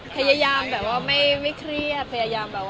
พยายามไม่เครียด